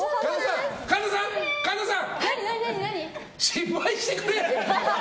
失敗してくれ！